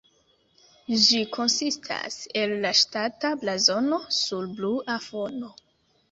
Ĝi konsistas el la ŝtata blazono sur blua fono.